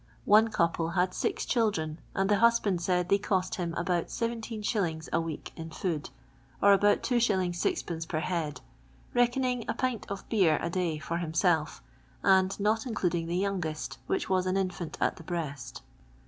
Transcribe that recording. One couple had six children, and the husband said they cost him about 17^. a week in food, or about 2s. 6d. per head, reckoning a pint of beer a day for himself, and not including the youngest, which was an infant nt the breast.